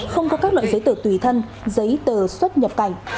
không có các loại giấy tờ tùy thân giấy tờ xuất nhập cảnh